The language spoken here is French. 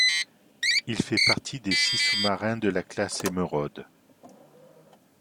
Il fait partie des six sous-marins de la classe Émeraude.